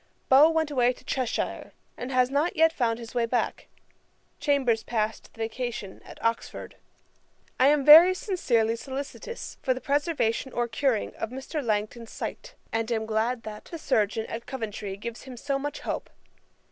Beau went away to Cheshire, and has not yet found his way back. Chambers passed the vacation at Oxford. 'I am very sincerely solicitous for the preservation or curing of Mr. Langton's sight, and am glad that the chirurgeon at Coventry gives him so much hope.